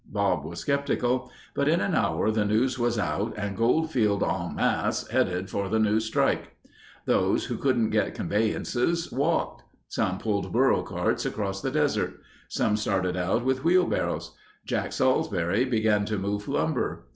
Bob was skeptical. But in an hour the news was out and Goldfield en masse headed for the new strike. Those, who couldn't get conveyances, walked. Some pulled burro carts across the desert. Some started out with wheelbarrows. Jack Salsbury began to move lumber.